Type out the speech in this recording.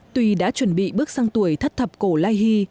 tuy đã chuẩn bị bước sang tuổi thất thập cổ lai hy